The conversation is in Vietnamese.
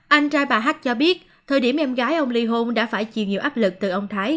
anh trai bà hak cho biết thời điểm em gái ông lee hôn đã phải chịu nhiều áp lực từ ông thái